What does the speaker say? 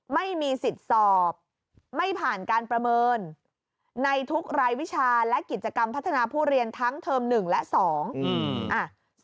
ไม่มีสิทธิ์สอบไม่ผ่านการประเมินในทุกรายวิชาและกิจกรรมพัฒนาผู้เรียนทั้งเทอมหนึ่งและสองอืมอ่า